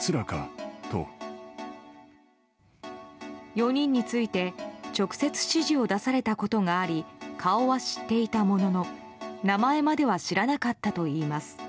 ４人について直接指示を出されたことがあり顔は知っていたものの名前までは知らなかったといいます。